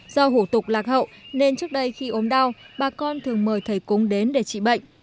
do hủ tục lạc hậu nên trước đây khi ốm đau bà con thường mời thầy cúng đến để trị bệnh